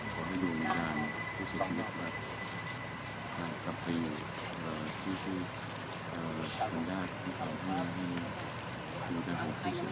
ขอให้ดูงานที่สุดที่ได้กลับไปอยู่ชื่อสัญญาณที่เขาให้ดูงานที่สุดที่ได้กลับไปอยู่